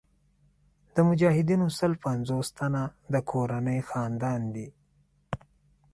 د مجاهدینو سل پنځوس تنه د کورنۍ خاوندان دي.